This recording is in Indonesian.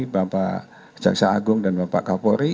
bapak jaksa agung dan bapak kapolri